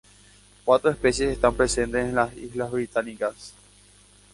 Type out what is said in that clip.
Cuatro especies están presentes en las Islas Británicas.